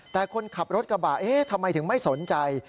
แต่คนขับรถกระบะเอ๊ะทำไมถึงไม่สนใจ